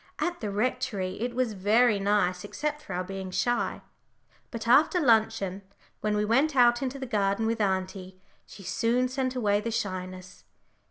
At the Rectory it was very nice except for our being shy. But after luncheon, when we went out into the garden with auntie, she soon sent away the shyness.